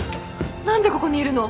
何でここにいるの？